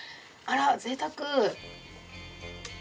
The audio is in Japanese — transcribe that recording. あらぜいたく。